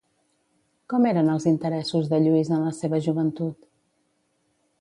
Com eren els interessos de Lluís en la seva joventut?